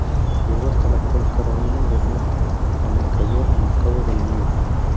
Llegó hasta la actual Carolina del Norte, donde encalló en el cabo del Miedo.